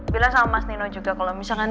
bila sama mas nino juga kalau misalkan